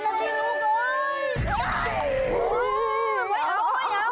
ไม่เอา